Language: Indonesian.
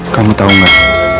kamu tau gak